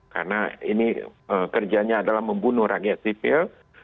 karena ini kerjanya adalah membunuh rakyat sipil